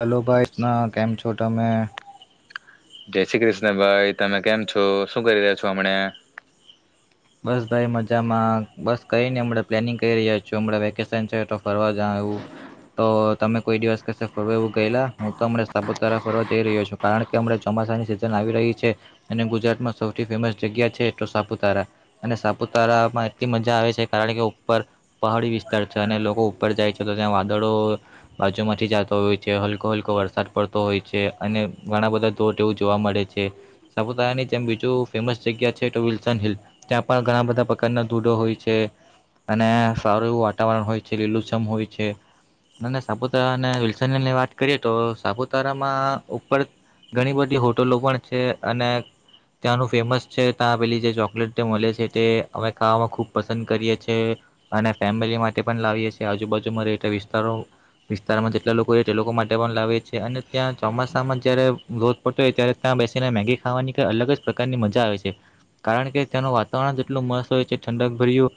Hello ભાઈસ ના કેમ છો તમેં? જય શ્રી કૃષ્ણભાઈ તમે કેમ છો શું કરી રહ્યા છો હમણા? બસ ભાઈ મજામાં બસ કરીને હમણા પ્લાનિંગ કરી રહ્યા છુ હમણાં વેકેશન છે તો ફરવા જવા આવું તો તમે કોઈ દિવસ કશું ફરવા એવું ગયેલા હું તોમ સાપુતારા ફરવા જઈ રહ્યો છું કારણ કે ચોમીસુ વરસાદ ની સિઝન આવી રહી છે અને ગુજરાતમાં સૌથી ફેમસ જગ્યા છે એ સાપુતારા અને સાપુતારામાં એટલી મજા આવે છે કારણ કે ઉપર પહાડી વિસ્તાર છે અને લોકો ઉપર જાય છે. ત્યા વાદળો બાજુ માંથી જતો હોય છે હલકો હલકો વરસાદ પડતો હોય છે અને ઘણા બધા તો જોવા મળે છે સાપુતારા ની જેમ બીજું ફેમસ જગ્યા છે તો વિલસન હિલ ત્યાં પણ ઘણા બધા પ્રકારના દૂધો હોય છે. અને સારું એવું વાતાવરણ હોય છે લીલું ચમ હોય છે. અને સાપુતારા અને વિલ્સનની વાત કરીએ તો સાપુતારામાં ઉપર ઘણી બધી હોટલો પણ છે અને ત્યાંનું ફેમસ છે ત્યાં પેલી જે ચોકલેટ મળે છે તે અમે ખા ખુબ પસંદ કરી છીએ અને ફેમિલી માટે પણ લાવીએ છીએ એજુ જે મારે એતે વિસ્તારો વિસ્તારમાં જેટલા લોકો હો તે લોકો માટે પણ લાવે છે અને ત્યાં ચોમાસામાં જયારે રોજ પડતો હોય ત્યારે ત્યાં બેસીને મેગી ખાવાની કઈ અલગ જ પ્રકારની મજા આવે છે કારણ કે ત્યાંનું વાતાવરણ જેટલું મસ્ત હોય છે ઠંડક ભરય્યું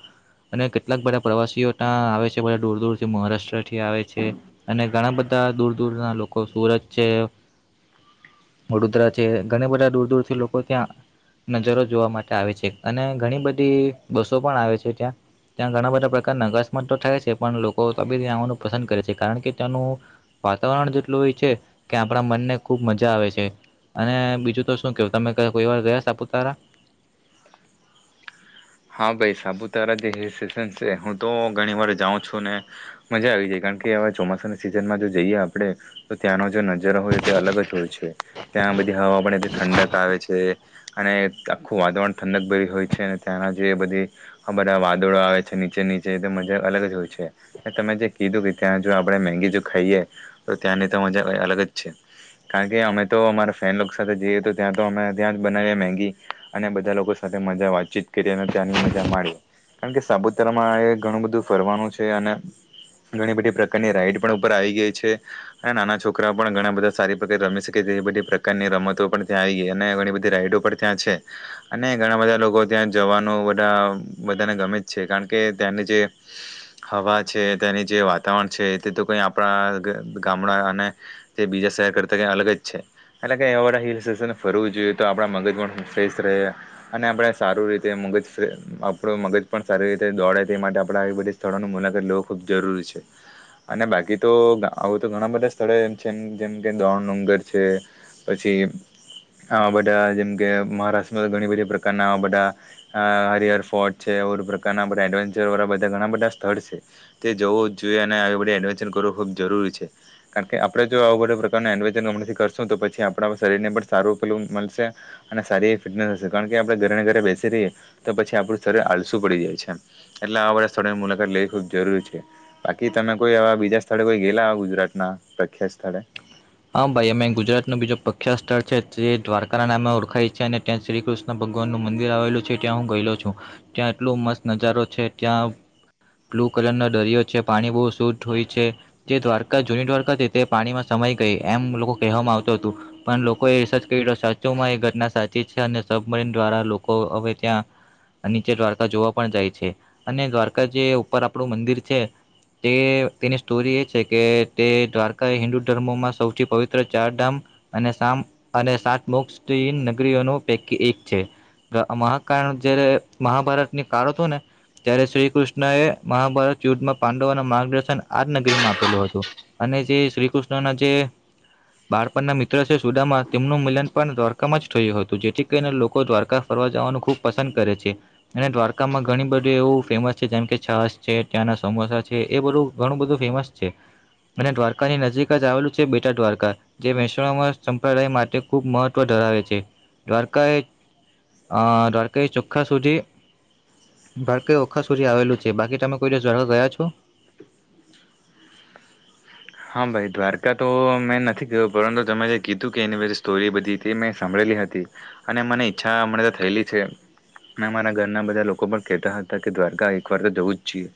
અને કેટલાક બધા પ્રવાસીઓ ત્યાં આવે છે બધા દૂર દૂરથી મહારાષ્ટ્ર થી આવે છે અને ઘણા બધા તા દૂર દૂર ના લોકો સુરત છે વડોદરા છે ઘણી બધા દૂર દૂરથી લોકો ત્યાં નજરો જોવા માટે આવે છે. અને ઘણી બધી બસો પણ આવે છે ત્યાં ત્યાં ઘણા બધા પ્રકારના અકસ્માત તો થાય છે પણ લોકો ત બી ત્યાં આવવાનું પસંદ કરે છે કારણ કે ત્યાંનું વાતાવરણ જેટલું હોય છે કે આપણા મનને ખૂબ મજા આવે છે. અને બીજું તો શું કેવું તમે કોઈ વાર ગયા સાપુતારા હા ભાઈ સાપુતારા જે હિલ સ્ટેશન છે હું તો ઘણી વાર જાઉં છું ને મજા આવી જાય. કાર કે ચોમાસા સિઝનમાં જો જઈએ આપણે તો ત્યાંનો જે નજર હોય તે અલગ જ હોય છે. આ બધી હવા બ ઠંડક આવે છે અને આખું વાતાવરણ ઠંડક ભ હોય છે. જે બધી બધા વાદળો આવે છે નીચે નીચે મજા અલગ જ હોય છે તમે જે કીધું કે ત્યાં જો આપડણે મગી જો ખાઈએ તો ત્યાંની તો મજા અલગ જ છે. કારણ કે અમે તો અમારા ફેન સાથે જઈએ તો ત્યાં તો અમે ત્યાં જ બનાવીએ મેગી અને બધા લોકો સાથે વાચી કે જેને ત્યાંની મજા માડી કારણ કે સાપુતારામાં એ ઘણું બધું ફરવાનું છે અને ઘણી બધી પ્રકારની રાઈટ પણ ઉપર આવી ગઈ છે અને નાના છોકરા પણ ઘણા બધા સારી પ્રકાર રમી શકે. બધી પ્રકારની રમતો પણ ત્યાં આવી ગઈ અને ઘણી બધી રાઈડો પણ ત્યાં છે અને ઘણા બધા લોકો ત્યાં જવાનો બધા બધાને ગમે છે કારણ કે ત્યાંની જે હવા છે તેની જે વાતાવરણ છે તે તો કઈ આપણા ગામડા અને તે બીજા શહેર કરતા ક્યા અલગ જ છે. એટલે કે એવા બધા હિલ સ્ટેશન ફરવું જોઈએ તો આપણા મગજ પણ શ્રેષ્ રહે અને આપણે સારું રીતે મગજ ફ આપણું મગજ પણ સારી રીતે દોડે તે માટે આપણા આવી બધી સ્થળોનું મુલાગત લો ખૂબ જરૂરી છે અને બાકી તો આવું તો ઘણા બધા સ્થળો એમ છેમ જેમ કે દોણ ડુંગર છે પછી આવા બધા જેમ કે મહારાષ્ટ્રમાં ઘણી બધી પ્રકારના આવા બધા અ હરિહર ફોર્ટ છે ઓર પ્રકારના બધા એડવેન્ચર વાળા બધા ઘણા બધા સ્થળ છે તે જવું જઈએ ડ કરવું ખબ જરૂરી છે કારણ કે આપડણે જો આવ બધા પ્રકાર એડવેશું તો પછ આપ શરીરને પણ સારુંલ મળશે અને સારી ફશે કારણ કે આપણે ઘરે બેસી રહીએ તો પછી આપડું સ્રીર આલસું પડી જાય છે એટલે આળા સ્થળોની મુલાકાત લેવી ખૂબ જરૂરી છે બાકી તમે કોઈ આવા બીજા સ્થળે કોઈ ગેલા ગુજરાત ના પ્રખ્યાત સ્થળે હા ભાઈ અમે ગુજરાત ન બીું પ્રખ્યાત સ્થળ છે તે દ્વારકા નામે ઓળખાય છે અને ત્યાં શ્રી કૃષ્ણ ભગવાન નું મંદિર આવેલું છે ત્યાં હું ગયેલો છું ત્યાં એટલો મસ્ત નજારો છે ત્યાં બ્લુ કલરનો દરિયો છે પાણી બહુ શુદ્ધ હોય છે જે દ્વારકા જૂની દ્વારકા છે તે પાણીમાં સમય કહી એમ લોકો કહેવામાં આવત હતું પણ લોકોએ રિસર્ચ કરી સાચોમાં એ ઘટના સાચી છે અને સબ ટન દ્વારા લોકો હવે ત્યાં નીચે દ્વારકા જોવા પણ જાય છે અને દ્વારકા જે ઉપર આપણું મંદિર છે તે તેની સ્ટોરી એ છે કે તે દ્વારકા હિન્દુ ધર્મોમાં સૌથી પવિત્ર ચાર ધામ અને સામ અને સાત મુ નગરીઓનો પૈકી એક છે મહાકાળ જયારે મહાભારતની કાળ હતો ને ત્યારે શ્રી કૃષ્ણ એ મહાભારત યુદ્ધમાં પાંડવના માર્ગદર્શન આ જ નગરીમાં આપેલું હતું અને જે શ્રી કૃષ્ણ ના જે બાળપણના મિત્ર છે સુદામાં તેમનું મિલન પણ દ્વારકામાં જ થયું હતું જેથી કરીને લોકો દ્વારકા ફરવા જ ખૂબ પસંદ કરે છે અને દ્વારકામાં ઘણી બધી એવું ફેમસ છે જેમ કે છાસ છે ત્યાંના સમહ એ બધું ઘણું બધું ફેમસ છે અને દ્વારકાની નજીક જ આવેલું બેટા દ્વારકા જે મહેસાણામાં સંપ્રદાય માટે ખૂબ મહત્વ ધરાવે છે દ્વારકાએ અ દ્વારકા ચો્ખા સુધી બાળકે ઓખા સુધી આવેલું છે બાકી તમે કોઈ દિવસ દ્વારકા ગયા છો [inaudible] હા ભાઈ દ્વારકા તો મેં નથી જોયું પરંતુ તમે જે કીધું કે એની બધી સ્ટોરી બધી હતી મેં સાંભળેલી હતી અને મને ઈચ્છા હમણા થયેલી છે અને અમારા ઘરના બધા લોકો પણ કહેતા હતા કે દ્વારકા એક વાર તો જવું જ છીએ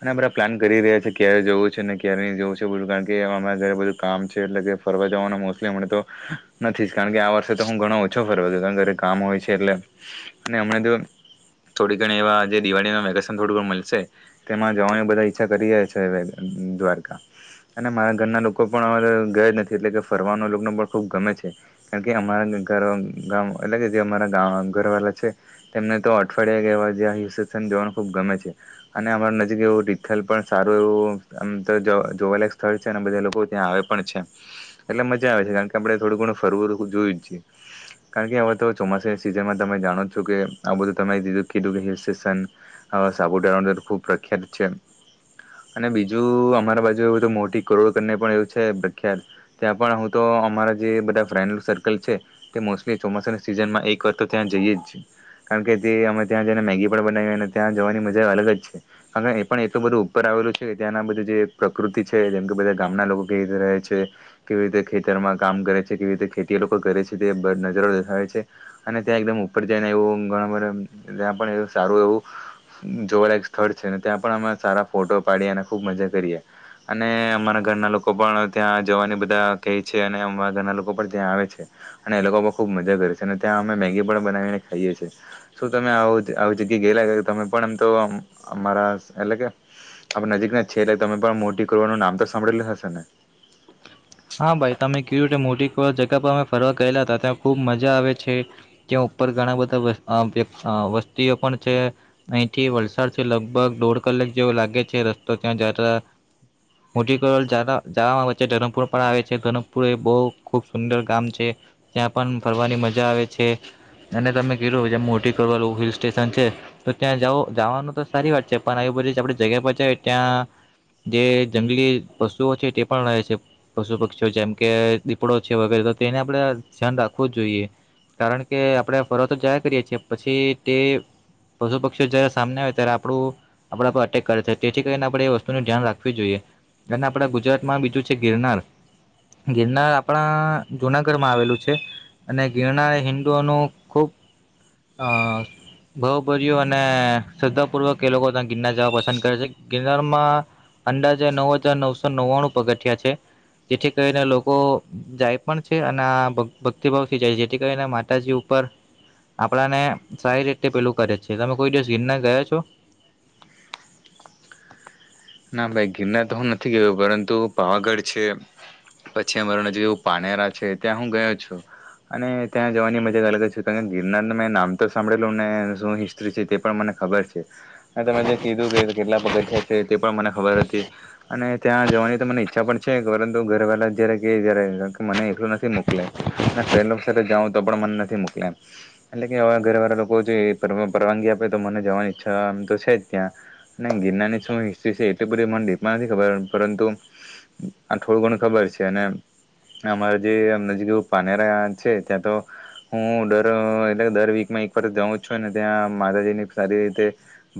અને આપડે પ્લાન કરી ર્યા છે ક્યારે જવું છે ને ક્યારે નહી જવું છે બલું કારણ કેરા ઘરે બધું કામ છે એટલે ફરવા જવા મોલીમ તો નથી જ કારણ કે આ વર્ષે તો હું ઓછો ફરવા જવાનું ઘરે કામ હોય છે એટલે અને હમણા જો થોડી ઘણી એવા જે દિવાળીમાં વેકેશન થોડું ઘ મળશે તેમાં જવાનું બધા ઈચ્છા કરીએ છે દ્વારકા અને મારા ઘરના લોકો પણ અ ગયા જ નથી એટલે કે ફરવાનો લોકોને પણ ખૂબ ગમે છે કારણ કે અમારા ગામ એટલે કે જે અમારા ગ ઘર વાલા છે તેમને તો અઠવાડિયા ગવાં હુસેન જોવાનું ખૂબ ગમે છે અને અમાર નજીક એવું તીથલ પણ સારું એવું આમ તો જોવાલાક સ્થળ છે અને બધા લોકો ત્યાં આવે પણ છે એટલે મજા આવે છે કારણ કે આપણે થોડું ઘણું ફરવું જોયું જ છએ કારણ કે હવે તો ચોમાસાની સિઝનમાં તમે જાણો જ છો કે આ બુંધું તમે કીધું કીધું કે હિલ સ્ટેશન સાપુાતારા ખૂબ પ્રખ્યાત છે અને બીજું અમારા બાજુ એવું તો મોટી થી કરોડ કરને પણ એવું છે પ્રખ્યાત ત્યાં પણ હું તો અમારા જે બધા ફ્રેન્ડ સર્કલ છે તે મોસ્ટલી ચોમાસાની સીઝનમાં એક વાર તો ત્યાં જઈએ જ કારણ કે તે અમે ત્યાં જઈને મેગી પણ બનાવી અને ત્યાં જવાની મજા અલગ જ છે કારણ કે એ પણ એ તો બધું ઉપર આવે આવેલું છે કે ત્યાંના બધું જે પ્રકૃતિ છે જેમ કે બધા ગામના લોકો કેવી રીતે રહે છે કેવી રીતે ખેતરમાં કામ કરે છે કેવી રીતે ખેતી લોકો કરે છે નજરો દેખાય છે અને ત્યાં એકદમ ઉપર જાયને એવું બ ત્યાં પણ એવ સારું એવું જોવા લાયક સ્થળ છેને ત્યાં પણ અમે સારા ફોટો પાડીએ અને ખુબ મજા કરીએ અને અમારા ઘરના લોકો પણ ત્યાં જવાની બધા કહે છે અને અમારા ઘરના લોકો પણ ત્યાં આવે છે અને એ લોકોમાં ખુબ મજા કરે છે અને ત્યાં અમે મેગી પણ બનાવીને ખાઈએ છીએ શું તમે જગ્યા ગેલા તમે પણ એમ તો અમારા એટલે કે આપ નજીક ના છે એટલે તમે પણ મોટી કરવાનું નામ તો સાંભળેલું હશે ને? એવા જગા પર અમે ફરવા ગયેલા અતા, ત્યાં ખુબ મજા આવે છે, ત્યાં ઉપર ઘણા બધા વર અંદર વ્ય અં વસ્તીઓ પણ છે અઈથી વલસાડ થી લગભગ દોઢ કલાક જેવો લાગે છે રસ્તો ત્યાં જા [unintelligible] મોટી કોડલ જા જાવામાં વચ્ચે ધરમપુર પણ આવે છે, ગનકપુર એ બઉ ખુબ સુંદર ગામ છે, ત્યાં પન ફરવાની મજા આવે છે. અને તમે કીધું જેમ મોટી કોરલ એવુ હિલ સ્ટેશન છે તો ત્યાં જાવુ જાવાનું તો સારી વાત છે પણ એ કોઈ દિસ આપડી જગ્યા પચાવી ત્યાં જે જંગલી પશુઓ છે તે પણ રહે છે પશુ પક્ષીઓ જેમ કે દીપડો છે વગેરે તો તેને આપણે ધ્યાન રાખવું જ જોઈએ કારણ કે આપણે ફરવા તો જાયા કરીએ છીએ પછી તે પશુ પક્ષીઓ જયારે સામને આવે ત્યારે આપડુ આપડા પર અટેક કરે છે, તેઠી કરીને આપડે એ વસ્તુનું ઢ્યાન રાખવી જોઈએ અને આપણા ગુજરાતમાં બીજું છે ગિરનાર ગિરનાર આપણા જુનાગઢમાં આવેલું છે. અને ગિરના એ હિન્દુઓનું ખૂબ અ ભાવભર્યું અને શ્રદ્ધાપૂર્વક એ લોકો ત્યાં ગિરનાર જવા પસંદ કરે છે ગિરનારમાં અંદાજે નવ હજાર નવસો નવ્વાણું પગથિયા છે. જેઠી કરીને લોકો જાય પણ છે અને આ ભક્તિભાવથી જાય છે જેઠી કરીને માતાજી ઉપર આપણાને સારી રીતે પેલું કરે છે, તમે કોઈ દિવસ ગિરનાર ગયા છો? ના ભાઈ ગિરનાર તો હું નથી ગયો, પરંતુ પાવાગઢ છે પછી અમારા નજીક એવું પારનેરા છે, ત્યાં હું ગયો છું. અને ત્યાં જવાની મજા અલગ જ છે કારણ ગિરનારનુ મેં નામ તો સાંભળેલું ને શું હિસ્ટ્રી છે તે પણ મને ખબર છે અને તમે જે કીધું કે કેટલા પગથિયા છે એ પણ મને ખબર હતી અને ત્યાં જવાની તો મને ઈચ્છા પણ છે પરંતુ ઘરે વેલા જયારે કે જ્યારે મને એકલું નથી મોકલે ને ફ્રેન્ડ લોક સાથે જાઉ તો પણ મન નથી મોકલે એટલે કે અવે ઘરે વારા લોકો જોઈએ પર પરવાનગી આપે તો મને જવાની ઈચ્છા આમ તો છે જ ત્યાં ને ગિરનારની શું હિ સ્ટ્રી છે એટલી બધી મન દીપમાં નથી ખબર પરંતુ આ થોડું ઘણું ખબર છે અને ને અમારે જે અમ નજીક એવુ પારનેરા છે ત્યાં તો હું દર એટલે દર વીકમાં એક વાર જઉં છું ને ત્યાં માતાજી ની સારી રીતે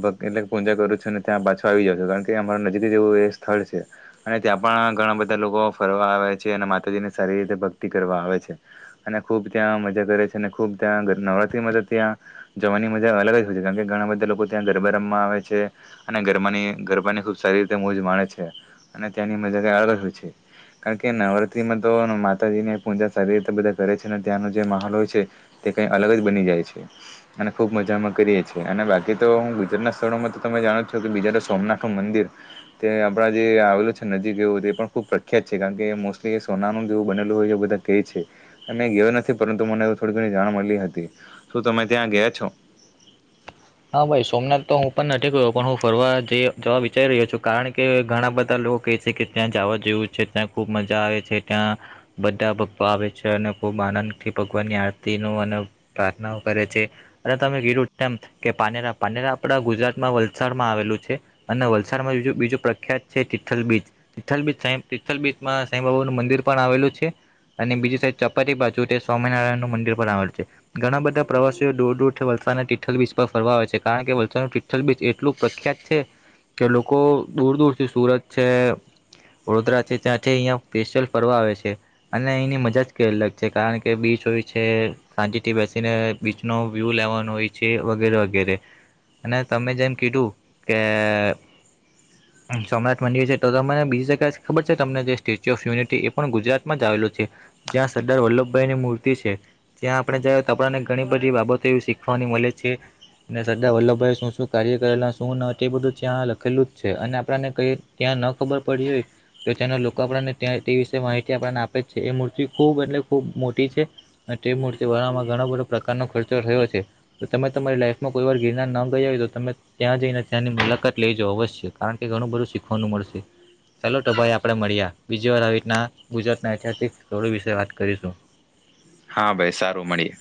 ભ કેટલેક પૂજા કરું છું ને ત્યાં પાછો આવી જાઉ કાણ કે અમાર નજીક જેવું એ સ્થળ છે અને ત્યાં પણ ઘણા બધા લોકો ફરવા આવે છે અને માતાજી ની સારી રીતે ભક્તિ કરવા આવે છે અને ખુબ ત્યાં મજા કરે છે અને ખુબ ત્યાં ઘ નવરાતિ માં તે ત્યાં જવાની મજા અલગ જ હોય છે કાણકે ઘણા બધા લોકો ત્યાં ગરબા રમવા આવે છે અને ગરમાની ગરબાની ખુબ સારી રીતે મોજ માણે છે અને ત્યાંની મજા કંઈ અલગ જ હોય છે કાણ કે નવરાત્રીમાં તો માતાજીની પૂજા સારી રીતે બધા કરે છે અને ત્યાંનો જે માહોલ હોય છે તે કઈ અલગ જ બની જાય છે અને ખૂબ મજામાં કરીએ છીએ અને બાકી તો હું ગુજરાતના સ્થળોમાં તો તમે જાણો જ છો કે બીજા તો સોમનાથનુ મંદિર તે આપણા જે આવેલું છે નજીક એવું, તે પણ ખૂબ પ્રખ્યાત છે કાણ કે મોસ્ટલી સોનાનું જેવું બનેલું હોય એવુ બધા કેય છે અ મેં ગયો નથી પરંતુ મને થોડી ઘણ જાણ મલી હતી શું તમે ત્યાં ગયા છો? હા ભાઈ સોમનાથ તો હું પન નથી ગયો પણ હું ફરવા જઈ જવા વિચારી રહ્યો છું કારણ કે ઘણા બધા લો કેય છે કે ત્યાં જાવા જેવુ છે ત્યાં ખુબ મજા આવે છે, ત્યાં બધા ભક્તો આવે છે અને ખૂબ આનંદ થી ભગવાનની આરતી નો અને પ્રાર્થનાઓ કરે છે અને તમે ગીર ઉદ્યા કે પાનેરા પાનેરા આપડા ગુજરાતમાં વલસાડમાં આવેલું છે અને વલસાડમાં બીજું બીજું પ્રખ્યાત છે કે થલ બીચ તીથલ બીચ સાંઈ તીથલ બીચમાં સાંઈબાબાનું મંદિર પણ આવેલું છે અને બીજી સાઈ ચપાટી બાજુ તે સ્વામિનારાયણનું મંદિર પણ આવેલ છે, ઘણા બધા પ્રવાસીઓ દૂર દૂર થી વલ સાડનાં તિઠલ બીચ પર ફરવા આવે છે કારણ કે વલસાડનું તિઠલ બીચ એટલું પ્રખ્યાત છે કે લોકો દૂર દૂરથી સુરત છે વડોદરા છે ત્યાંથી છે અઈયા પેશિયલ ફરવા આવે છે અને એની મજા જ કંઈ અલગ છે કારણ કે બીચ હોય છે શાતિથી બેસીને બીચ નો વ્યુ લેવાનો હોય છે. વગેરે વગેરે અને તમે જેમ કીધું કે સોમનાથ મંદિર છે તો તમને બીજી જગ્યા ખબર છે તમને જે સ્ટેચ્યુ ઓફ યુનિટી એ પણ ગુજરાતમાં જ આવે લુ છે જ્યાં સરદાર વલ્લભભાઈની મૂર્તિ છે. ત્યાં આપણે જાય તો આપણને ઘણી બધી બાબતો એવી શીખવાની મલે છે. ને સરદાર વલ્લભભાઈ શું શું કાર્ય કરેલા શું ન તે બધું ત્યાં લખેલું જ છે અને આપણાને ક ત્યાં ન ખબર પડી હોય તો તેના લોકો આપણાને ત્યા તે વિશે માહિતી આપણને આપે છે એ મૂર્તિ ખૂબ એટલે ખૂબ ખુબ મોટી છે અને તે મૂર્તિ બનાવામાં ઘણા બધો પ્રકારનો ખર્ચો થયો છે. તો તમે તમારી લાઈફમાં કોઈ વાર ગિરનાર ન ગયા હોય તો તમે ત્યાં જઈને ત્યાંની મુલાકાત લઈજો અવશ્ય કારણ કે ઘણુ બધું શીખવાનું મળશે ચાલો તો ભાઈ આપડે મળ્યા બીજી વાર આવી રીતના ગુજરાતના ઐતિહાસિક સ્થળો વિશે વાત કરીશું. [inaudible] હા ભાઈ સારું મળીએ